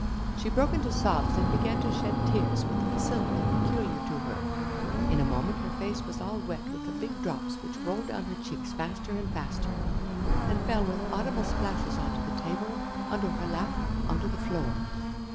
She broke into sobs and began to shed tears with the facility peculiar to her. In a moment her face was all wet with the big drops which rolled down her cheeks faster and faster, and fell with audible splashes on to the table, on to her lap, on to the floor.